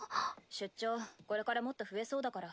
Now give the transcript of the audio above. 出張これからもっと増えそうだから。